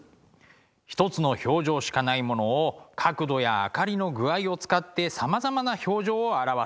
ひとつの表情しかないものを角度や明かりの具合を使ってさまざまな表情を表す。